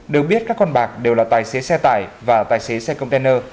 được biết các con bạc đều là tài xế xe tải và tài xế xe container